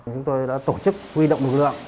chúng tôi đã tổ chức huy động lực lượng